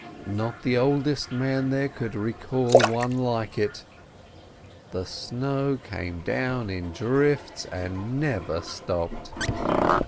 Not the oldest man there could recall one like it. The snow came down in drifts, and never stopped.